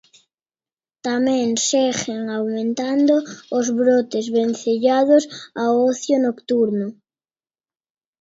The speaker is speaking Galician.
Tamén seguen aumentando os brotes vencellados ao ocio nocturno.